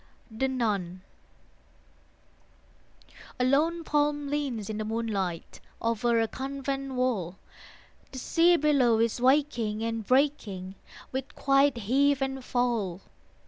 THE NUN A lone palm leans in the moonlight Over a convent wall. The sea below is waking and breaking With quiet heave and fall.